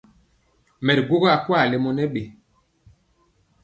Mɛ ri gwogɔ akwaa lemɔ nɛ mbɛ.